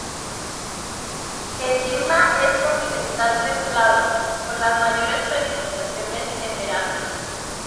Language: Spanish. El clima es continental templado, con las mayores precipitaciones en verano.